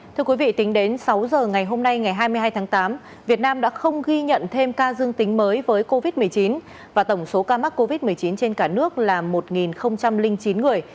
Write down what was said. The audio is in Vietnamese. thưa quý vị tính đến sáu giờ ngày hôm nay ngày hai mươi hai tháng tám việt nam đã không ghi nhận thêm ca dương tính mới với covid một mươi chín và tổng số ca mắc covid một mươi chín trên cả nước là một chín người